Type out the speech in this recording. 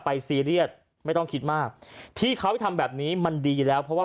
ซีเรียสไม่ต้องคิดมากที่เขาทำแบบนี้มันดีแล้วเพราะว่า